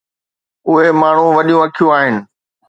اهي ماڻهو وڏيون اکيون آهن